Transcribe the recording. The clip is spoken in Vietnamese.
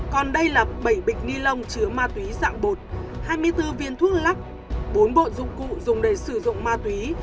còn đây là bảy bịch ni lông chứa ma túy dạng bột hai mươi bốn viên thuốc lắc bốn bộ dụng cụ dùng để sử dụng ma túy